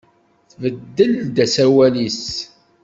Tbeddel-d aserwal-is?